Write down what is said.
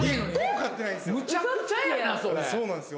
そうなんすよ。